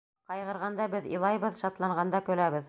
Ҡайғырғанда беҙ илайбыҙ, шатланғанда көләбеҙ.